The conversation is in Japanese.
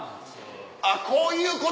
あっこういうこと。